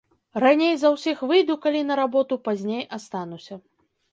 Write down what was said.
Раней за ўсіх выйду калі на работу, пазней астануся.